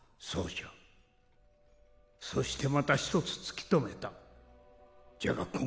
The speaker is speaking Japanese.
そうじゃそしてまた１つ突き止めたじゃが